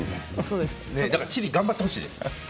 だからチリ、頑張ってほしいです。